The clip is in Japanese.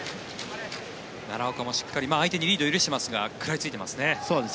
奈良岡もしっかり相手にリードを許していますがそうですね。